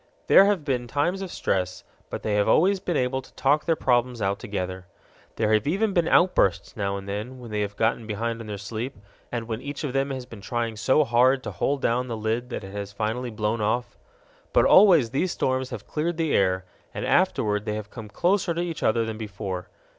There have been times of stress, but they have always been able to talk their problems out together. There have even been outbursts now and then when they have got behind on their sleep, and when each of them has been trying so hard to hold down the lid that it has finally blown off. But always these storms have cleared the air, and afterward they have come closer to each other than before.